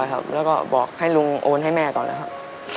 แล้วก็บอกให้ลุงโอนให้แม่ก่อนนะครับ